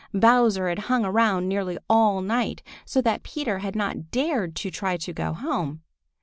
Bowser had hung around nearly all night, so that Peter had not dared to try to go home.